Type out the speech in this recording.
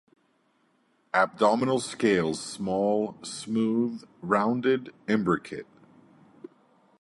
Abdominal scales small, smooth, rounded, imbricate.